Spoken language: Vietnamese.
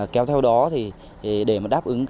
kéo theo đó để đáp ứng